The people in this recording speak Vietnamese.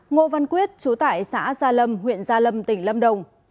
ngô văn quyết chú tại xã gia lâm huyện gia lâm tỉnh lâm đồng